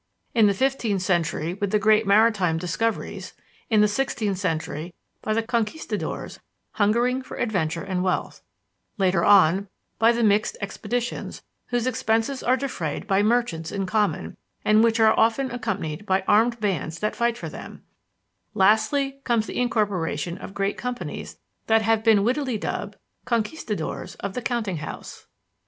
in the fifteenth century with the great maritime discoveries; in the sixteenth century by the Conquistadores, hungering for adventure and wealth; later on, by the mixed expeditions, whose expenses are defrayed by merchants in common, and which are often accompanied by armed bands that fight for them; lastly comes the incorporation of great companies that have been wittily dubbed "Conquistadores of the counting house."